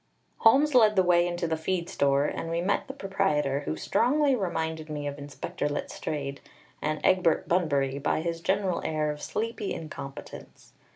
Holmes led the way into the feed store, and we met the proprietor, who strongly reminded me of Inspector Letstrayed and Egbert Bunbury by his general air of sleepy incompetence.